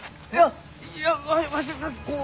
いやわしこうこう。